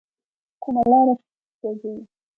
کومه لار ته ځئ؟